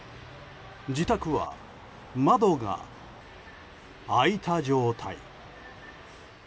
自宅は窓が開いた状態。